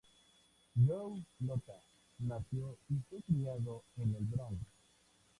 Joe Lhota nació y fue criado en el Bronx.